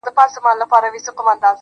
راځئ! هڅه وکړو چي هر ځای